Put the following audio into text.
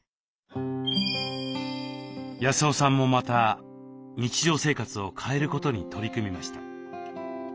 康雄さんもまた日常生活を変えることに取り組みました。